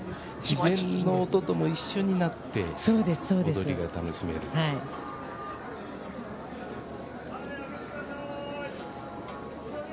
自然の音とも一緒になって踊りが楽しめるという。